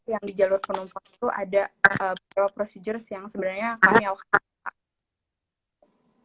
yang di jalur penumpang itu ada beberapa prosedur yang sebenarnya kami akan lakukan